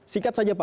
singkat saja pak